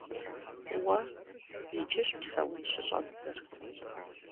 Уэ иджыщ псэун щыщӏэбдзэр.